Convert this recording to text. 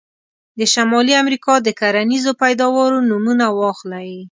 د شمالي امریکا د کرنیزو پیداوارو نومونه واخلئ.